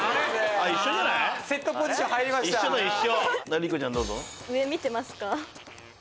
莉子ちゃんどうぞ。